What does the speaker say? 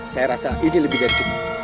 saya rasa ini lebih jasik